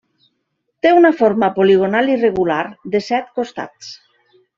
Té una forma poligonal irregular, de set costats.